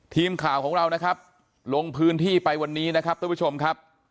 ทีมข่าวของเรานะครับลงพื้นที่ไปวันนี้นะครับท่านผู้ชมครับ